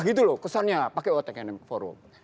gitu loh kesannya pakai what academy forum